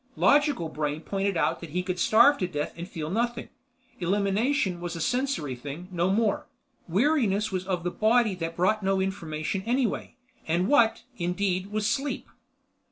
Logical Brain pointed out that he could starve to death and feel nothing; elimination was a sensory thing no more; weariness was of the body that brought no information anyway—and what, indeed was sleep?